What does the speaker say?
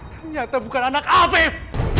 ternyata bukan anak afif